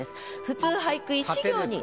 普通俳句１行に。